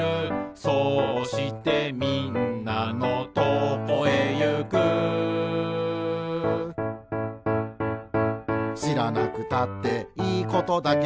「そうしてみんなのとこへゆく」「しらなくたっていいことだけど」